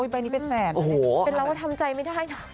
ใบนี้เป็นแสนเป็นเรื่องว่าทำใจไม่ได้